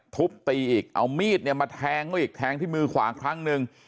ทุบตีอีกเอามีดเนี่ยมาแทงเขาอีกแทงที่มือขวาครั้งหนึ่ง